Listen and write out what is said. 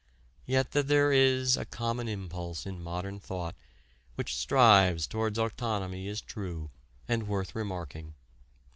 Yet that there is a common impulse in modern thought which strives towards autonomy is true and worth remarking.